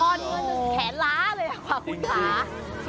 พอดีกว่าจะแขนล้าเลยค่ะคุณค่ะ